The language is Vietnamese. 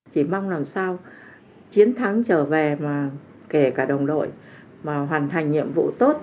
chỉ mong làm sao chiến thắng trở về mà kể cả đồng đội mà hoàn thành nhiệm vụ tốt